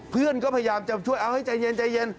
เพื่อนก็พยายามจะช่วยเอาให้ใจเย็นใจเย็น